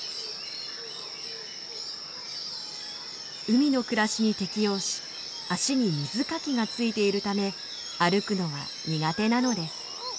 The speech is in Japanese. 海の暮らしに適応し足に水かきがついているため歩くのは苦手なのです。